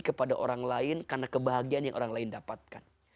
kepada orang lain karena kebahagiaan yang orang lain dapatkan